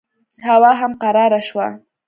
هوا هم قراره شوه.